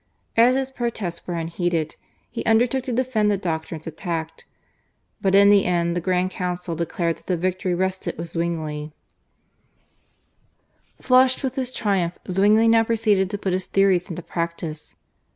As his protests were unheeded, he undertook to defend the doctrines attacked, but in the end the Grand Council declared that the victory rested with Zwingli. Flushed with his triumph Zwingli now proceeded to put his theories into practice.